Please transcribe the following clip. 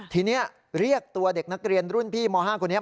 ทีนี้เรียกตัวเด็กนักเรียนรุ่นพี่ม๕คนนี้